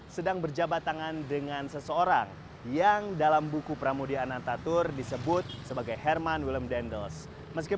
sedang berjabat tangan dengan seseorang yang dalam buku pramudian natatur disebut sebagai herman willem